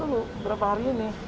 lantai itu dulu beberapa hari ini